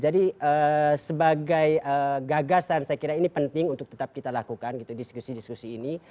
jadi sebagai gagasan saya kira ini penting untuk tetap kita lakukan gitu diskusi diskusi ini